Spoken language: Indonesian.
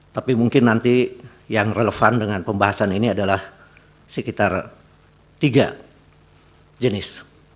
tapi mungkin nanti yang relevan dengan pembahasan ini adalah sekitar tiga jenis